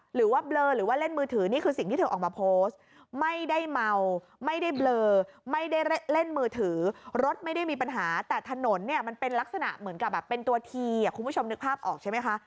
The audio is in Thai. หรือว่าเล่นมือถือนี่คือสิ่งที่เธอออกมาโพสต์